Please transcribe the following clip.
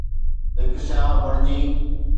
هڪ سياح بڻجي